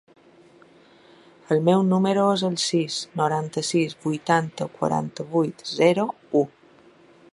El meu número es el sis, noranta-sis, vuitanta, quaranta-vuit, zero, u.